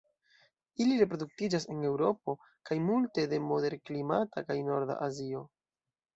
Ili reproduktiĝas en Eŭropo kaj multe de moderklimata kaj norda Azio.